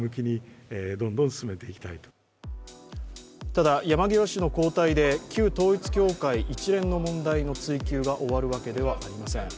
ただ山際氏の交代で旧統一教会一連の問題の追及が終わるわけではありません。